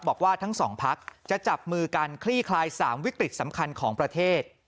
บอกว่าทั้งสองพักจะจับมือกันคลี่คลาย๓วิกฤตสำคัญของประเทศ